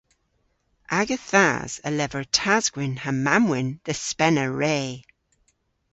Aga thas a lever tas-gwynn ha mamm-wynn dhe spena re.